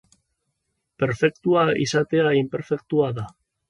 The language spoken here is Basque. Perfektua izatea inperfektua da.